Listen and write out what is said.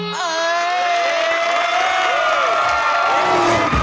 โห